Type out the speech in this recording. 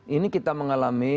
ini kita mengalami